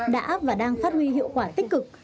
đã và đang phát huy hiệu quả tích cực